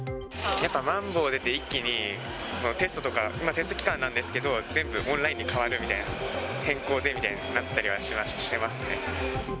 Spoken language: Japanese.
やっぱまん防出て、一気に、テストとか、今、テスト期間なんですけど、全部、オンラインで変わるみたいな、変更でみたいになったりはしてますね。